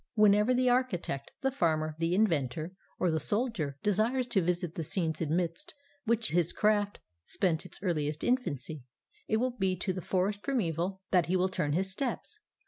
Whenever the architect, the farmer, the inventor, or the soldier desires to visit the scenes amidst which his craft spent its earliest infancy, it will be to the forest primaeval that he will turn his steps.